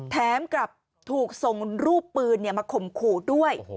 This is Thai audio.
แถมกับถูกส่งรูปปืนมาข่มขู่ด้วย